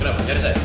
kenapa cari saya